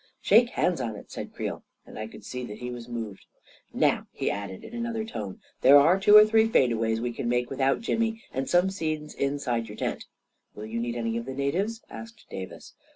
" Shake hands on it !" said Creel, and I could see that he was moved. " Now," he added, in an other tone, " there are two or three fade aways we can make without Jimmy, and some scenes inside your tent" " Will you need any of the natives ?" asked Davis.